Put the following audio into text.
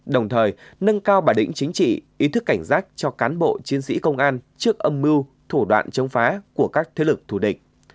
đồng thời nâng cao bản lĩnh chính trị ý thức cảnh giác cho cán bộ chiến sĩ công an trước âm mưu thủ đoạn chống phá của các thế lực thù địch